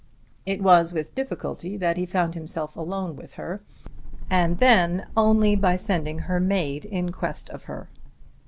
It was with difficulty that he found himself alone with her, and then only by sending her maid in quest of her.